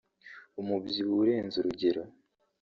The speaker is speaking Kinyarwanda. umubyibuho urenze urugero